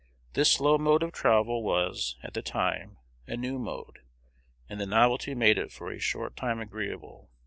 "This slow mode of travel was, at the time, a new mode, and the novelty made it for a short time agreeable.